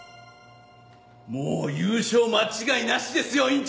もう優勝間違いなしですよ院長！